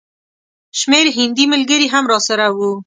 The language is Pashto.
شمېر هندي ملګري هم راسره وو.